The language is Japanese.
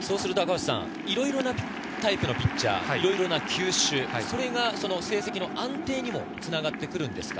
いろいろなタイプのピッチャー、球種、それが成績の安定にもつながってくるんですか？